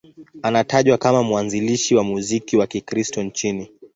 Anatajwa kama mwanzilishi wa muziki wa Kikristo nchini.